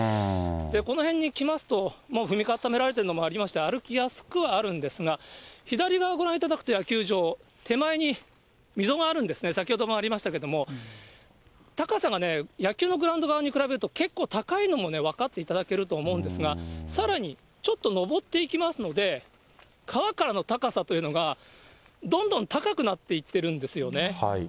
この辺に来ますと、もう踏み固められているのがありまして、歩きやすくはあるんですが、左側、ご覧いただくと野球場、手前に溝があるんですね、先ほどもありましたけれども、高さがね、野球のグラウンド側に比べたら結構高いのも分かっていただけると思うんですが、さらに、ちょっと上っていきますので、川からの高さというのが、どんどん高くなっていっているんですよね。